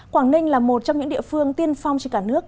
quảng ninh là một trong những địa phương tiên phong trên cả nước